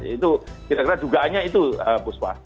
itu kira kira dugaannya itu bu spa